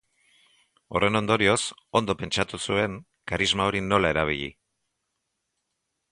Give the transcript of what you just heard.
Horren ondorioz, ondo pentsatu zure karisma hori nola erabili.